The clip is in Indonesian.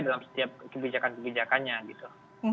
dalam setiap kebijakan kebijakannya gitu